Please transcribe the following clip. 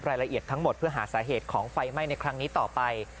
รายละเอียดทั้งหมดเพื่อหาสาเหตุของไฟไหม้ในครั้งนี้ต่อไป